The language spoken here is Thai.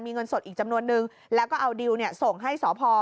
มีเงินสดอีกจำนวนนึงแล้วก็เอาดิวเนี่ยส่งให้สพ